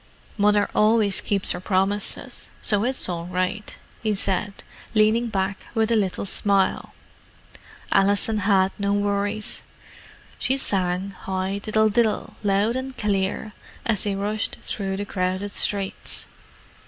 "Mother always keeps her promises, so it's all right," he said, leaning back with a little smile. Alison had no worries. She sang "Hi, diddle, diddle!" loud and clear, as they rushed through the crowded streets.